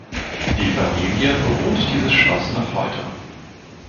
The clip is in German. Die Familie bewohnt dieses Schloss noch heute.